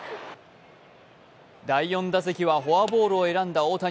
第４打席はフォアボールを選んだ大谷。